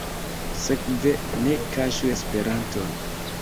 Sekve, ne kaŝu Esperanton.